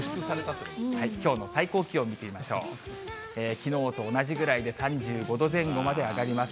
きょうの最高気温見てみましょう、きのうと同じくらいで３５度前後まで上がります。